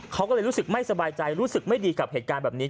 เขาก็เลยรู้สึกไม่สบายใจรู้สึกไม่ดีกับเหตุการณ์แบบนี้